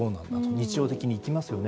日常的に行きますよね。